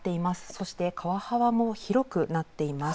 そして川幅も広くなっています。